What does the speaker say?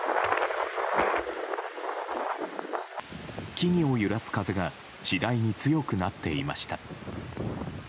木々を揺らす風が次第に強くなっていました。